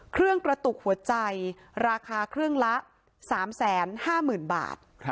กระตุกหัวใจราคาเครื่องละ๓๕๐๐๐บาท